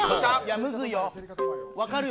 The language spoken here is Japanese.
むずいよ。